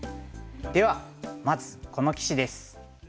ではまずこの棋士です。